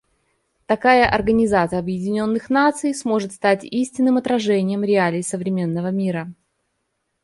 Такая Организация Объединенных Наций сможет стать истинным отражением реалий современного мира.